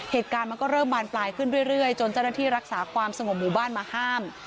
เหตุการณ์มันก็เริ่มบานปลายขึ้นเรื่อยจนเจ้าหน้าที่รักษาความสงบหมู่บ้านมาห้าม